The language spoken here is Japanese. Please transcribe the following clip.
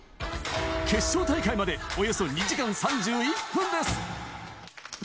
決勝大会までおよそ２時間３１分です。